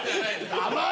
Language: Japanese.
甘い。